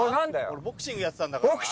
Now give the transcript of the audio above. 俺ボクシングやってたんだからな。